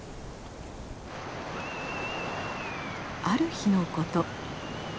ある日のこと。